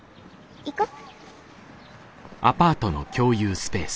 行こう。